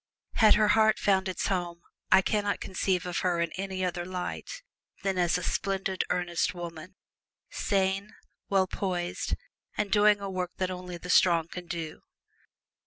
Had her heart found its home I can not conceive of her in any other light than as a splendid, earnest woman sane, well poised, and doing a work that only the strong can do.